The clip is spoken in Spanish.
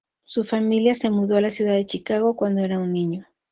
Su familia se mudó a la ciudad de Chicago cuando era un niño.